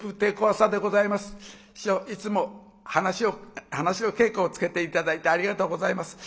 師匠いつも噺の稽古をつけて頂いてありがとうございます。